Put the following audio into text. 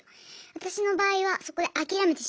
私の場合はそこで諦めてしまって。